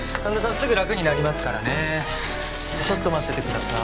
すぐ楽になりますからねちょっと待っててください